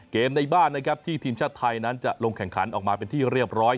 ในบ้านนะครับที่ทีมชาติไทยนั้นจะลงแข่งขันออกมาเป็นที่เรียบร้อย